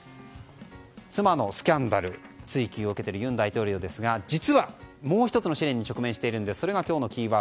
妻のスキャンダル追及を受けている尹大統領ですが実は、もう１つの試練に直面しています。